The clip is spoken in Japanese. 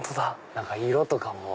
何か色とかも。